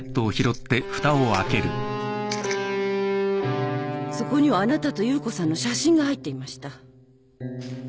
そこにはあなたと夕子さんの写真が入っていました。